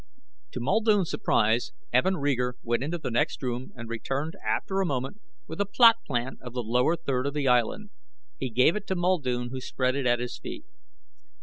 To Muldoon's surprise Evin Reeger went into the next room and returned after a moment with a plot plan of the lower third of the Island. He gave it to Muldoon who spread it at his feet.